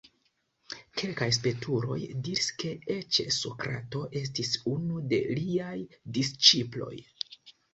Kelkaj spertuloj diris ke eĉ Sokrato estis unu de liaj disĉiploj.